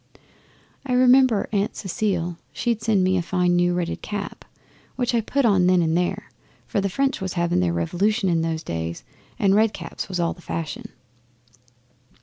I remember Aunt Cecile she'd sent me a fine new red knitted cap, which I put on then and there, for the French was having their Revolution in those days, and red caps was all the fashion.